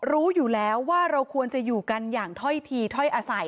รู้อยู่แล้วว่าเราควรจะอยู่กันอย่างถ้อยทีถ้อยอาศัย